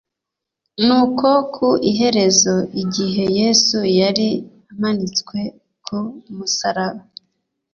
Nuko ku iherezo igihe Yesu yari amanitswe ku musaraba,